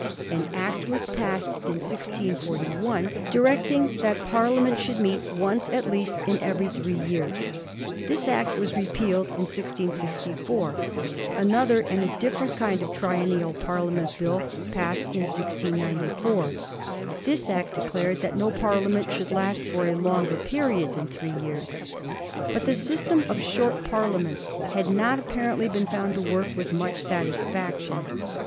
An Act was passed in 1641 directing that Parliament should meet once at least in every three years. This Act was repealed in 1664. Another, and a different kind of Triennial Parliament Bill, passed in 1694. This Act declared that no parlia ment should last for a longer period than three years* But the system of short parliaments had not appa rently been found to work with much satisfaction.